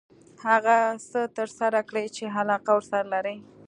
هغه څه ترسره کړه چې علاقه ورسره لري .